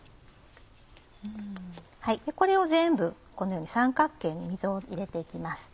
これを全部このように三角形に溝を入れて行きます。